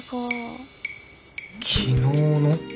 昨日の。